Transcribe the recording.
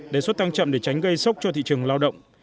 đề xuất tăng chậm để tránh gây sốc cho thị trường lao động